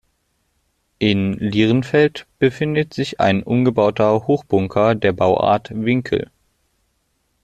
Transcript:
In Lierenfeld befindet sich ein umbauter Hochbunker der Bauart Winkel.